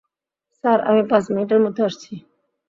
Sir, আমি পাঁচ মিনিটের মধ্যে আসছি।